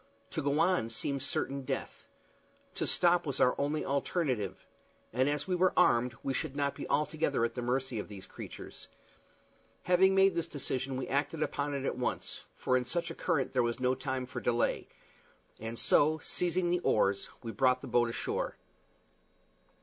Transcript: To go on seemed certain death. To stop was our only alternative; and as we were armed we should not be altogether at the mercy of these creatures. Having made this decision we acted upon it at once, for in such a current there was no time for delay; and so, seizing the oars, we soon brought the boat ashore.